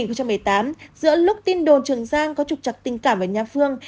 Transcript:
năm hai nghìn một mươi tám giữa lúc tin đồn trường giang có trục trặc tình cảm với nhà phương